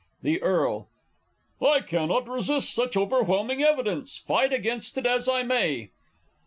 _ The E. I cannot resist such overwhelming evidence, fight against it as I may.